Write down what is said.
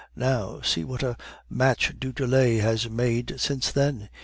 Now, see what a match du Tillet has made since then.